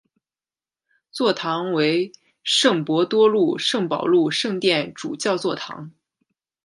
座堂为圣伯多禄圣保禄圣殿主教座堂。